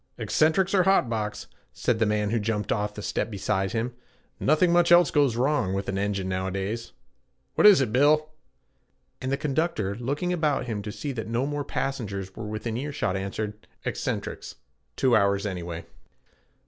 'Eccentrics or hot box,' said the man who jumped off the step beside him. 'Nothing much else goes wrong with an engine nowadays. What is it, Bill?' And the conductor, looking about him to see that no more passengers were within earshot, answered, 'Eccentrics two hours anyway.'